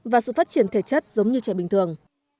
và sự phát triển thể chất giống như trẻ bình thường